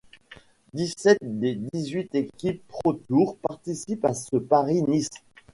Dix-sept des dix-huit équipes ProTour participent à ce Paris-Nice.